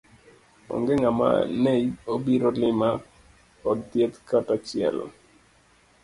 Onge ngama ne obiro lima od thieth kata achiel